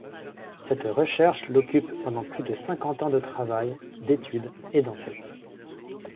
Cette recherche l'occupe pendant plus de cinquante ans de travail, d'étude et d'enquête.